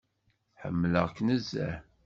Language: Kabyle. Ḥemmleɣ-k nezzeh.